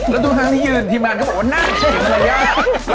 แล้วทุกทางที่ยืนทีมอันก็บอกว่าน่าจะกินอะไรอะ